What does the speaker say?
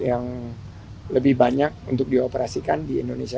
yang lebih banyak untuk dioperasikan di indonesia